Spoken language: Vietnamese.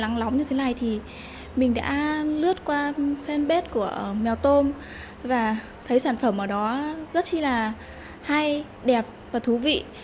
trang mạng lóng như thế này thì mình đã lướt qua fanpage của mèo tôm và thấy sản phẩm ở đó rất là hay đẹp và thú vị